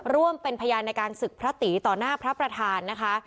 ร่วมเป็นพยานในการศึกพระตีต่อหน้าพระประธานนะคะ